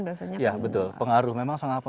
biasanya ya betul pengaruh memang sangat